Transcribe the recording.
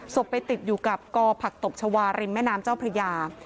ไปติดอยู่กับกอผักตบชาวาริมแม่น้ำเจ้าพระยา